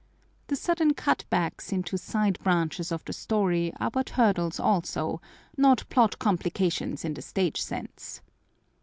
The sudden cut backs into side branches of the story are but hurdles also, not plot complications in the stage sense.